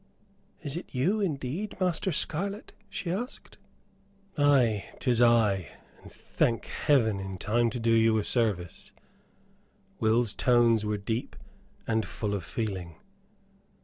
"Is it you, indeed, Master Scarlett?" she asked. "Ay, 'tis I. And, thank Heaven, in time to do you a service." Will's tones were deep and full of feeling.